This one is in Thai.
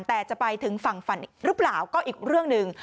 แต่จะไปถึงฝั่งฝันอีกหรือเปล่าก็อีกเรื่องหนึ่ง